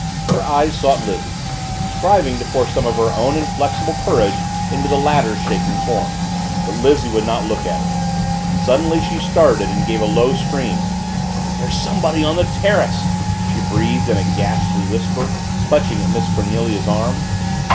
Her eyes sought Lizzie's, striving to pour some of her own inflexible courage into the latter's quaking form. But Lizzie would not look at her. Suddenly she started and gave a low scream; "There's somebody on the terrace!" she breathed in a ghastly whisper, clutching at Miss Cornelia's arm.